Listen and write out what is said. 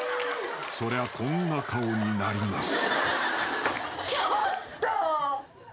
［そりゃこんな顔になります］